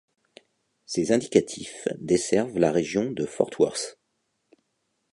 Ces indicatifs desservent la région de Fort Worth.